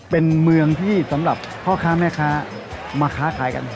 เป็นเมืองที่สำหรับพ่อค้าแม่ค้ามาค้าขายกัน